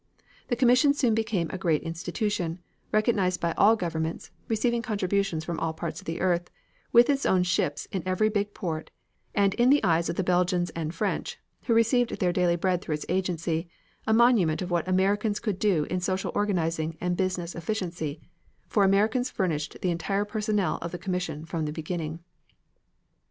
The commission soon became a great institution, recognized by all governments, receiving contributions from all parts of the earth, with its own ships in every big port, and in the eyes of the Belgians and French, who received their daily bread through its agency, a monument of what Americans could do in social organization and business efficiency, for Americans furnished the entire personnel of the commission from the beginning.